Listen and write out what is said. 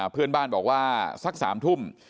เพื่อนบ้านบอกว่าสัก๓ทุ่ม